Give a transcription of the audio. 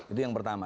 itu yang pertama